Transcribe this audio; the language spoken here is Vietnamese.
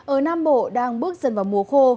ở nam bộ đang bước dần vào mùa khô